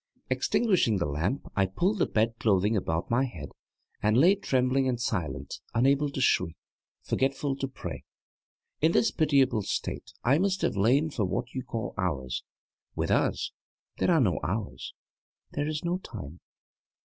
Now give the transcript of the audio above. < 7 > Extinguishing the lamp I pulled the bedclothing about my head and lay trembling and silent, unable to shriek, forgetful to pray. In this pitiable state I must have lain for what you call hours with us there are no hours, there is no time.